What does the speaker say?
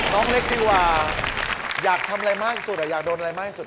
น้องเล็กดีกว่าอยากทำอะไรมากสุดอยากโดนอะไรมากสุด